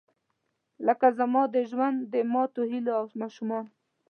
لکه زما د ژوند، د ماتوهیلو ماشومان